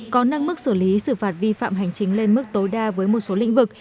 có nâng mức xử lý xử phạt vi phạm hành chính lên mức tối đa với một số lĩnh vực